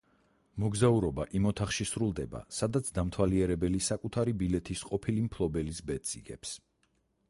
მოგზაურობა იმ ოთახში სრულდება, სადაც დამთვალიერებელი საკუთარი ბილეთის ყოფილი მფლობელის ბედს იგებს.